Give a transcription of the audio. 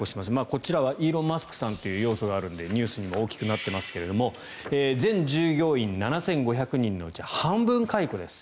こちらはイーロン・マスクさんという要素があるのでニュースにも大きくなっていますが全従業員７５００人のうち半分解雇です。